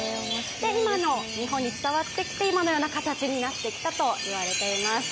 今の日本に伝わってきて、今のような形になってきたといわれています。